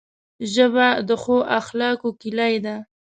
ژبه د ښو اخلاقو کلۍ ده